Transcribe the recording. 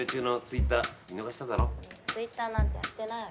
ツイッターなんてやってない。